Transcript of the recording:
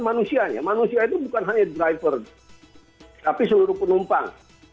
manusia itu bukan hanya pengendara tapi seluruh penumpang